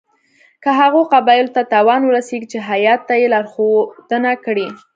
که هغو قبایلو ته تاوان ورسیږي چې هیات ته یې لارښودنه کړې.